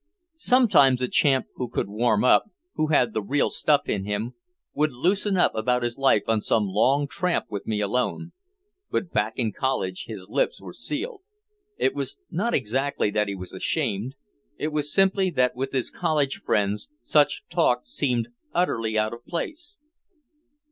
Sometimes a chap who could warm up, who had the real stuff in him, would "loosen up" about his life on some long tramp with me alone. But back in college his lips were sealed. It was not exactly that he was ashamed, it was simply that with his college friends such talk seemed utterly out of place.